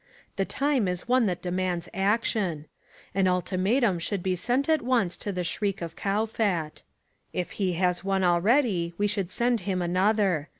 The time is one that demands action. An ultimatum should be sent at once to the Shriek of Kowfat. If he has one already we should send him another.